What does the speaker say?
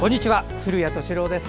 古谷敏郎です。